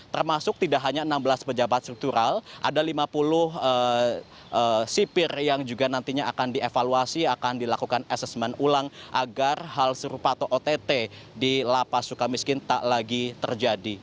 termasuk tidak hanya enam belas pejabat struktural ada lima puluh sipir yang juga nantinya akan dievaluasi akan dilakukan asesmen ulang agar hal serupa atau ott di lapas suka miskin tak lagi terjadi